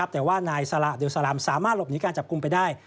แต่ว่านายสละเดลสลามสามารถหลบหนีการจับกลุ่มไปได้